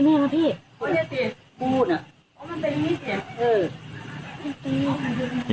รูปรู้จุดน้ำ